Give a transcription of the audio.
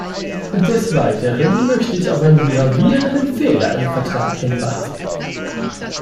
Des Weiteren möchte ich auf einen gravierenden Fehler im Vertrag hinweisen.